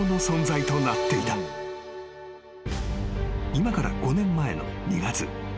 ［今から５年前の２月］